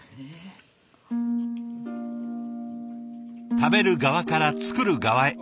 食べる側から作る側へ。